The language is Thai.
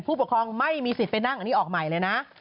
ผู้ปกครองไม่มีสิทธิ์ไปนั่งอันนี้ออกใหม่เลยนะ